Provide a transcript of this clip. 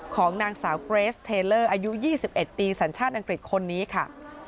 ของนางสาวเกรสเทลเลอร์อายุ๒๑ปีสัญชาติอังกฤษคนนี้ค่ะ